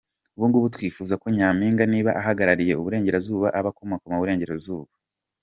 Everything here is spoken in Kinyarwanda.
Ubungubu twifuza ko Nyampinga niba ahagarariye Uburengerazuba, aba akomoka mu Burengerazuba.